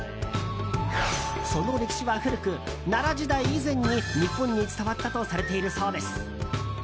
その歴史は古く、奈良時代以前に日本に伝わったとされているそうです。